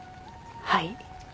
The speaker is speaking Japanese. はい。